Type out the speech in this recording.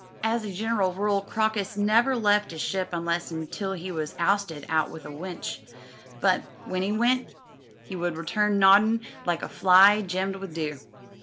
As a general rule Crocus never left 'is ship unless an' until he was 'oisted out with a winch, but when 'e went 'e would return noddin' like a lily gemmed with dew.